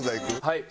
はい。